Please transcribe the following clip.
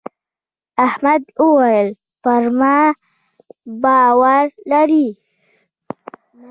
احمد وويل: پر ما باور لرې.